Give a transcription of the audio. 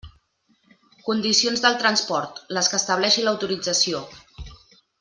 Condicions del transport: les que estableixi l'autorització.